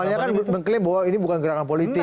kan awalnya kan mengklaim bahwa ini bukan gerakan politik